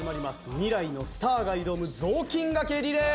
未来のスターが挑む雑巾掛けリレー。